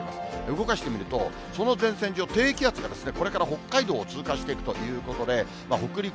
動かしてみると、その前線上、低気圧がこれから北海道を通過していくということで、北陸、